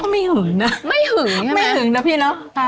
ไม่หึงนะ